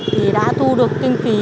thì đã thu được kinh phí